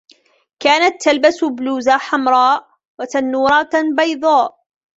كانت تلبس بلوزة حمراء وتنورة بيضاء